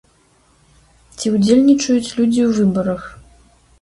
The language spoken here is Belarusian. Ці ўдзельнічаюць людзі ў выбарах?